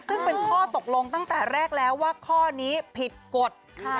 ซึ่งเป็นข้อตกลงตั้งแต่แรกแล้วว่าข้อนี้ผิดกฎ